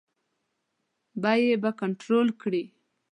بیې به کنټرول کړي.